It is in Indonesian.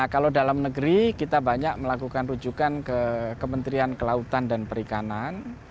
kalau dalam negeri kita banyak melakukan rujukan ke kementerian kelautan dan perikanan